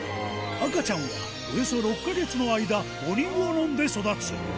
赤ちゃんは、およそ６か月の間、母乳を飲んで育つ。